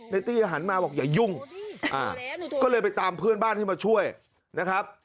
ตี้หันมาบอกอย่ายุ่งก็เลยไปตามเพื่อนบ้านให้มาช่วยนะครับ